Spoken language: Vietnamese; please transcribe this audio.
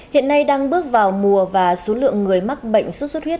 hiện nay đang bước vào mùa và số lượng người mắc bệnh sốt xuất huyết